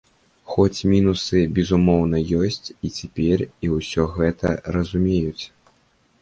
Хоць мінусы, безумоўна, ёсць і цяпер, і ўсе гэта разумеюць.